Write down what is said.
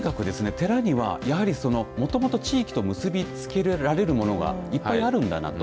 寺には、もともと地域と結びつけられるものがいっぱいあるんだなと。